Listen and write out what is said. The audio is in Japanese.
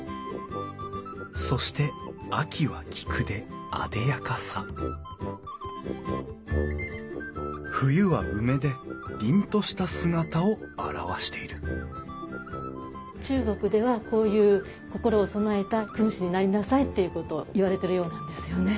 そして秋は菊であでやかさ冬は梅で凛とした姿を表している中国ではこういう心を備えた君子になりなさいっていうことを言われてるようなんですよね。